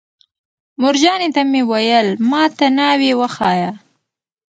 مورجانې ته مې ویل: ما ته ناوې وښایه.